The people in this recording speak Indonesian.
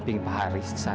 fen apa kabar